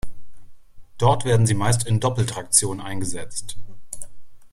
Dort werden sie meist in Doppeltraktion eingesetzt.